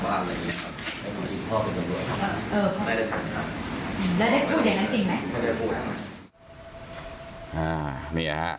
อ่านี่ค่ะ